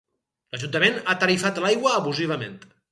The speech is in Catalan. L'Ajuntament ha tarifat l'aigua abusivament.